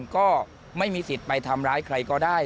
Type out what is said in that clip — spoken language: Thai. ก็ไม่มีสิทธิ์ไปทำร้ายใครก็ได้